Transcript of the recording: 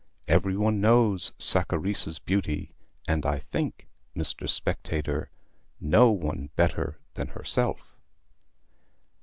Every one knows Saccharissa's beauty; and I think, Mr. Spectator, no one better than herself.